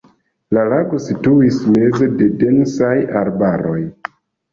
La lago situis meze de densaj arbaroj.